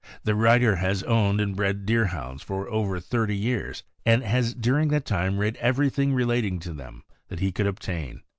The writer has owned and bred Deerhounds for over thirty years, and has during that time read everything relating to them that he could obtain.